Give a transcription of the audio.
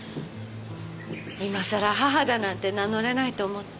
いまさら母だなんて名乗れないと思って。